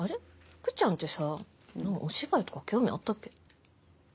福ちゃんってさお芝居とか興味あったっけ？